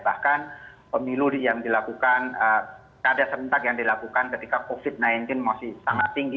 bahkan pemilu yang dilakukan keadaan serentak yang dilakukan ketika covid sembilan belas masih sangat tinggi